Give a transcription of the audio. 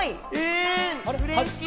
うれしい！